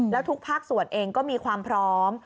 แล้วทุกภาคส่วนเองก็มีความพร้อม